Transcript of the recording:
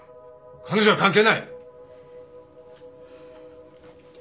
彼女は関係ない！